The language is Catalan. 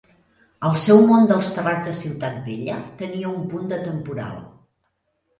El seu món dels terrats de Ciutat Vella tenia un punt d'atemporal.